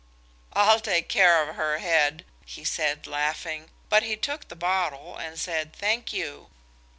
"I'll take care of her head," he said, laughing, but he took the bottle and said, "Thank you."